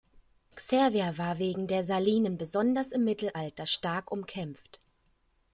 Cervia war wegen der Salinen besonders im Mittelalter stark umkämpft.